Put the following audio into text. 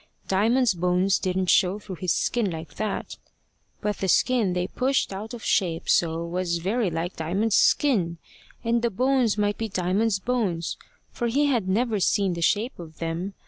Diamond's bones didn't show through his skin like that; but the skin they pushed out of shape so was very like Diamond's skin; and the bones might be Diamond's bones, for he had never seen the shape of them.